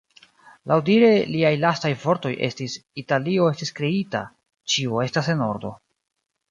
Laŭdire liaj lastaj vortoj estis "Italio estis kreita, ĉio estas en ordo.